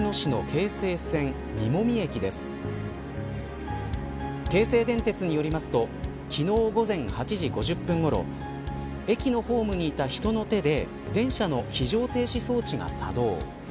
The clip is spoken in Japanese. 京成電鉄によりますと昨日、午前８時５０分ごろ駅のホームにいた人の手で電車の非常停止装置が作動。